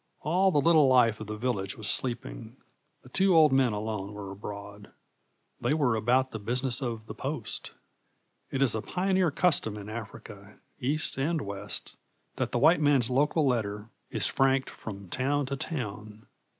All the little life of the village was sleeping; the two old men alone were abroad. They were about the business of the post. It is a pioneer custom in Africa, east and west, that the white man's local letter is franked from town to town.